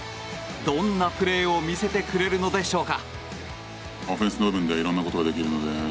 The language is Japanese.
どんなプレーを見せてくれるのでしょうか。